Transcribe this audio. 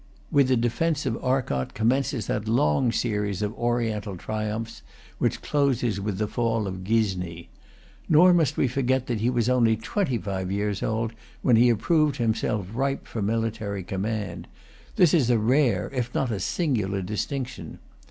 With the defence of Arcot commences that long series of Oriental triumphs which closes with the fall of Ghizni. Nor must we forget that he was only twenty five years old when he approved himself ripe for military command. This is a rare if not a singular distinction.